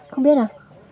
không biết à